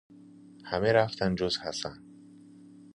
همه رفتند جز حسن.